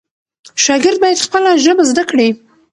شاګرد باید خپله ژبه زده کړي.